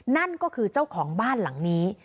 นั่นก็คือเจ้าของบ้านหลังนี้